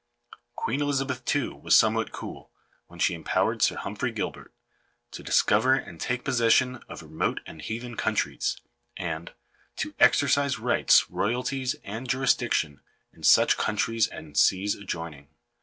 Queen Elizabeth, too, was somewhat cool, when she empowered Sir Humphrey Gilbert " to discover and take possession of re mote and heathen countries/ 1 and "to exercise rights, royal ties, and jurisdiction, in such countries and seas adjoining."